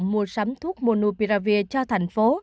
mua sắm thuốc monopiravir cho thành phố